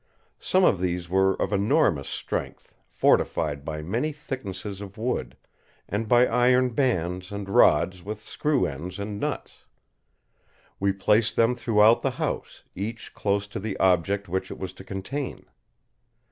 Some of these were of enormous strength, fortified by many thicknesses of wood, and by iron bands and rods with screw ends and nuts. We placed them throughout the house, each close to the object which it was to contain.